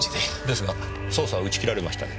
ですが捜査は打ち切られましたね。